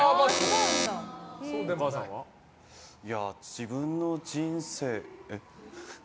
自分の人生。